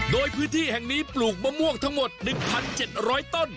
โดยพื้นที่แห่งนี้ปลูกมะม่วงทั้งหมด๑๗๐๐ต้น